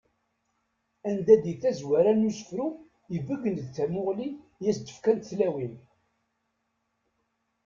Anda di tazwara n usefru ibeggen-d tamuɣli i d as-fkan twalin.